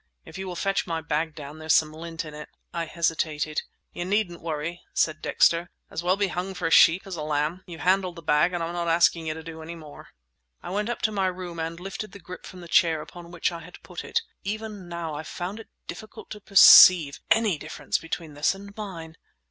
"If you will fetch my bag down, there's some lint in it." I hesitated. "You needn't worry," said Dexter; "as well be hung for a sheep as a lamb. You've handled the bag, and I'm not asking you to do any more." I went up to my room and lifted the grip from the chair upon which I had put it. Even now I found it difficult to perceive any difference between this and mine.